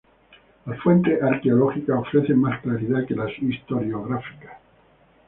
Las fuentes arqueológicas ofrecen más claridad que las historiográficas.